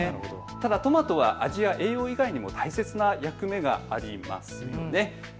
ただトマトは味や栄養以外にも大切な役割がありますよね。